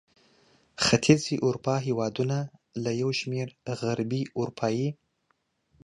ختیځې اروپا هېوادونه له یو شمېر غربي اروپايي